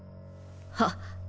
はっ。